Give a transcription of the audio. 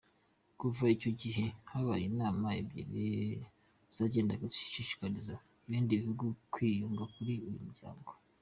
Kuva icyo gihe habaye inama ebyiri zagendaga zishishikariza ibindi bihugu kwiyunga kuri uyu muryango.